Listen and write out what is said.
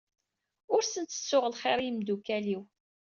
Ur sen-tettuɣ lxir i imdukal-iw.